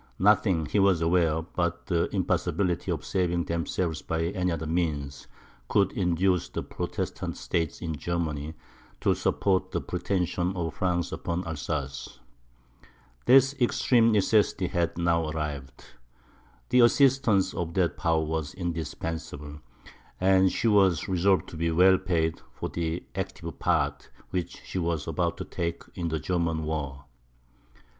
Nothing, he was aware, but the impossibility of saving themselves by any other means, could induce the Protestant States in Germany to support the pretensions of France upon Alsace. This extreme necessity had now arrived; the assistance of that power was indispensable, and she was resolved to be well paid for the active part which she was about to take in the German war.